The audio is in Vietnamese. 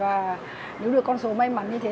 và nếu được con số may mắn như thế